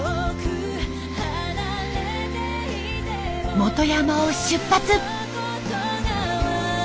本山を出発。